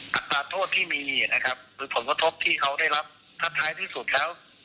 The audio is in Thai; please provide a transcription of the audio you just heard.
ตัดตาโทษที่มีผมก็ธกที่เขาได้รับถ้าท้ายที่สุดแล้ว